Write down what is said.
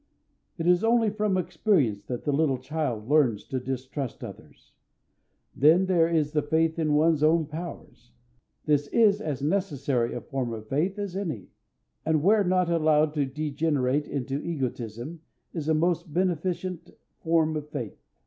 It is only from experience that the little child learns to distrust others. Then, there is the faith in one's own powers. This is as necessary a form of faith as any, and where not allowed to degenerate into egotism is a most beneficent form of faith.